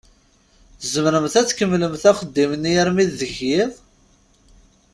Tzemremt ad tkemmlemt axeddim-nni armi deg iḍ?